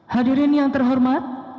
hadirin yang terhormat